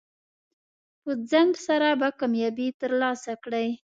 په ځنډ سره به کامیابي ترلاسه کړئ.